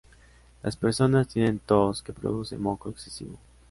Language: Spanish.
Las personas tienen tos que produce moco excesivo.